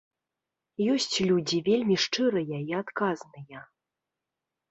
Ёсць людзі вельмі шчырыя і адказныя.